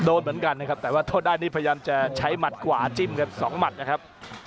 โดนเหมือนกันนะครับแต่ว่าโทษได้นี่พยายามจะใช้หมัดขวาจิ้มกันสองหมัดนะครับ